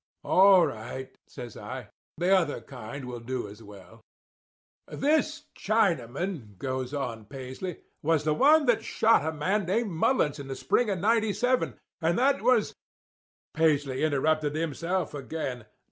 "'All right,' says I. 'The other kind will do as well.' "'This Chinaman,' goes on Paisley, 'was the one that shot a man named Mullins in the spring of '97, and that was—' "Paisley interrupted himself again.